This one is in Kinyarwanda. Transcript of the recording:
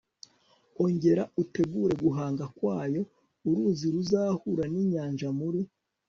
ongera utegure guhanga kwayo uruzi ruzahura ninyanja muri